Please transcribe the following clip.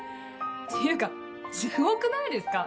っていうかすごくないですか？